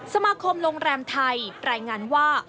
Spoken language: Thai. สมาคมโรงแรมไทยรายงานว่า